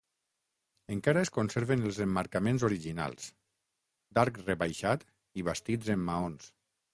Encara es conserven els emmarcaments originals, d'arc rebaixat i bastits en maons.